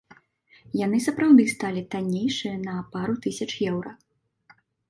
Яны сапраўды сталі таннейшыя на пару тысяч еўра.